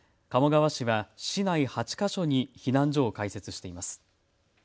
鴨川市は市内８か所に避難所を開設しています。